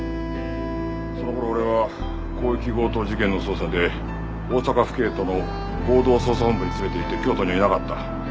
その頃俺は広域強盗事件の捜査で大阪府警との合同捜査本部に詰めていて京都にはいなかった。